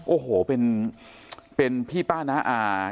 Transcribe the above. โอ้โหเป็นพี่ป้าน้าอา